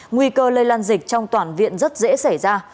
nguy cơ lây lan dịch trong toàn viện rất dễ xảy ra